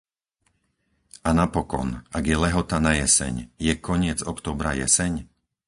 A napokon, ak je lehota na jeseň, je koniec októbra jeseň?